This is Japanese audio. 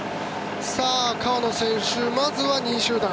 川野選手、まずは２位集団。